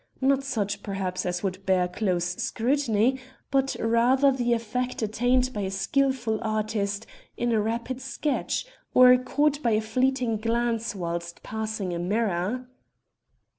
Not such, perhaps, as would bear close scrutiny, but rather the effect attained by a skilful artist in a rapid sketch, or caught by a fleeting glance whilst passing a mirror.